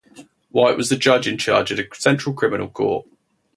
White was the Judge in Charge of the Central Criminal Court.